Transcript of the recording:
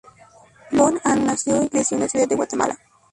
Von Ahn nació y creció en la Ciudad de Guatemala.